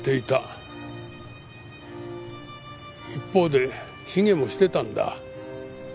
一方で卑下もしていたんだ。